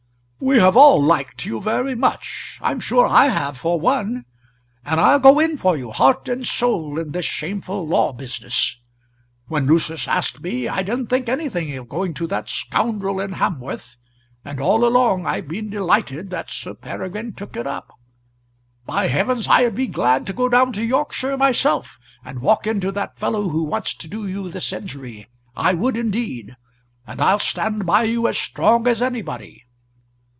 "We have all liked you very much. I'm sure I have for one; and I'll go in for you, heart and soul, in this shameful law business. When Lucius asked me, I didn't think anything of going to that scoundrel in Hamworth; and all along I've been delighted that Sir Peregrine took it up. By heavens! I'd be glad to go down to Yorkshire myself, and walk into that fellow that wants to do you this injury. I would indeed; and I'll stand by you as strong as anybody.